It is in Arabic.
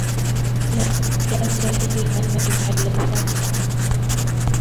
يا سائلي عنْ مجمع اللذّاتِ